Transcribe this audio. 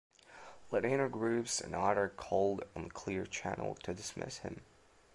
Latino groups and others called on Clear Channel to dismiss him.